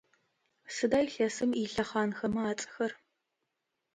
Сыда илъэсым илъэхъанэмэ ацӏэхэр?